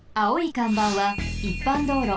かんばんはいっぱんどうろ。